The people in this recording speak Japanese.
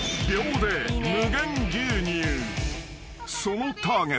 ［そのターゲットは］